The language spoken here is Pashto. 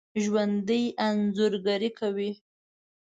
ژوندي انځورګري کوي